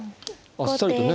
あっさりとね。